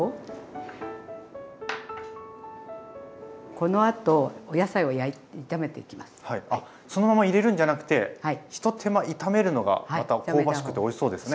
このあとあっそのまま入れるんじゃなくてひと手間炒めるのがまた香ばしくておいしそうですね。